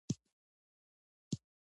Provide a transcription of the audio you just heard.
افغانستان د کلیو له پلوه ځانګړتیاوې لري.